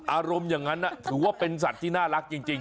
อารมณ์อย่างนั้นถือว่าเป็นสัตว์ที่น่ารักจริง